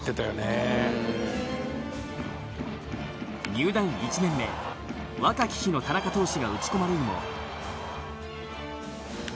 入団１年目若き日の田中投手が打ち込まれるも。